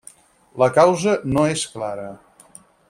La causa no és clara.